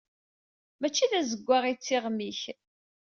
Mačči d azeggaɣ i d tiɣmi-k.